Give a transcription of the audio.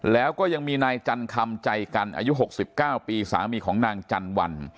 แล้วก็ยังมีนายจันคำใจกันอายุ๖๙ปีสามีของนางจันวัน